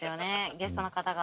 ゲストの方が。